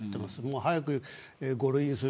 早く５類にする。